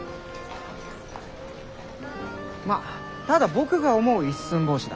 まあただ僕が思う「一寸法師」だ。